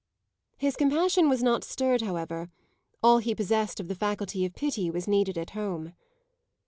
His compassion was not stirred, however; all he possessed of the faculty of pity was needed at home.